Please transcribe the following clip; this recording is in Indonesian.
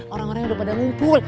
orang orangnya udah pada ngumpul